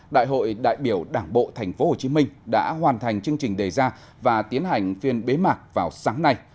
đại hội đại biểu đảng bộ tp hcm đã hoàn thành chương trình đề ra và tiến hành phiên bế mạc vào sáng nay